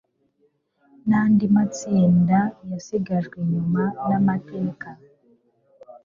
n andi matsinda y abasigajwe inyuman amateka